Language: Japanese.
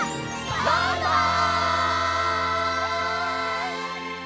バイバイ！